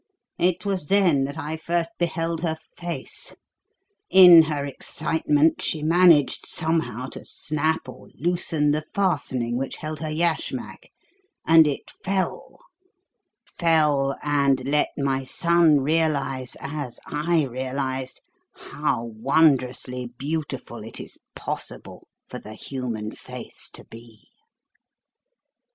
It was then that I first beheld her face. In her excitement she managed, somehow, to snap or loosen the fastening which held her yashmak, and it fell fell, and let my son realise, as I realised, how wondrously beautiful it is possible for the human face to be!"